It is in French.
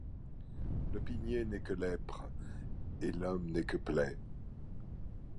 Le pilier n’est que. lèpre et l’homme n’est que plaies.